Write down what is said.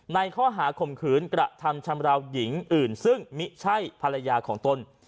ในข้อหาข่มขืนกระทำชำราวหญิงอื่นซึ่งไม่ใช่ภรรยาของตน